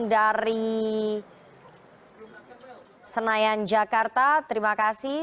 dan dari senayan jakarta terima kasih